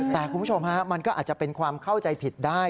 แต่คุณผู้ชมฮะมันก็อาจจะเป็นความเข้าใจผิดได้